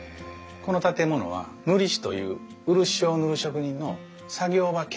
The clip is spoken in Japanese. この建物は塗師という漆を塗る職人の作業場兼住居だったんです。